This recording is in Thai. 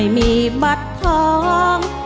น้ำแต่ง